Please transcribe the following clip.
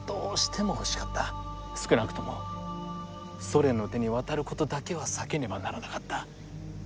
少なくともソ連の手に渡ることだけは避けねばならなかった。